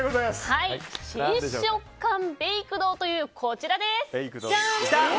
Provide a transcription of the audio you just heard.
新食感ベイクドというこちらです。